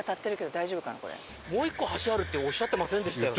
もう１個橋あるっておっしゃってませんでしたよね。